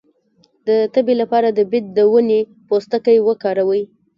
د تبې لپاره د بید د ونې پوستکی وکاروئ